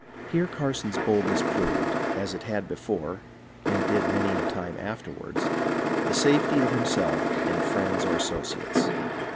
Here Carson's boldness proved, as it had before, and did many a time afterwards, the safety of himself and friends or associates.